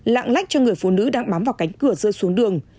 lạng lách cho người phụ nữ đang bám vào cánh cửa rơi xuống đường